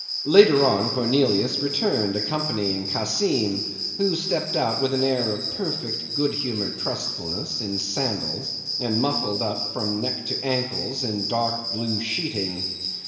Later on Cornelius returned accompanying Kassim, who stepped out with an air of perfect good humoured trustfulness, in sandals, and muffled up from neck to ankles in dark blue sheeting.